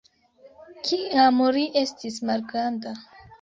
Kiam li estis malgranda.